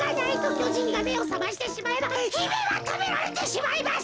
きょじんがめをさましてしまえばひめはたべられてしまいます。